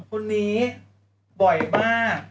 คนนี้บ่อยบ้า